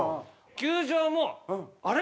球場も「あれ？